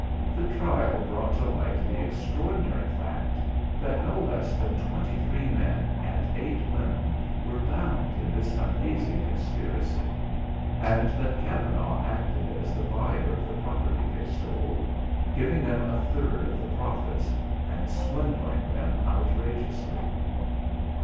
The trial brought to light the extraordinary fact that no less than twenty three men and eight women were bound in this amazing conspiracy, and that Kavanagh acted as the buyer of the property they stole, giving them a third of the profits, and swindling them outrageously.